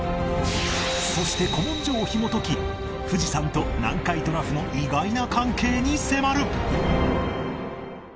そして古文書をひもとき富士山と南海トラフの意外な関係に迫る